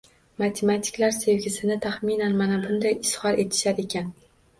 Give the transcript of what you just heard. Matematiklar sevgisini taxminan mana bunday izhor etishar ekan